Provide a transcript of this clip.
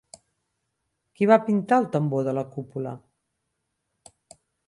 Qui va pintar el tambor de la cúpula?